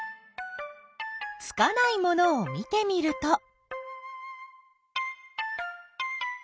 つかないものを見てみると。